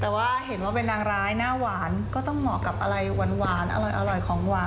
แต่ว่าเห็นว่าเป็นนางร้ายหน้าหวานก็ต้องเหมาะกับอะไรหวานอร่อยของหวาน